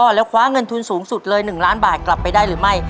แล้วคว้าเงินทุนสูงสุดเลย๑ล้านบาทกลับไปได้หรือไม่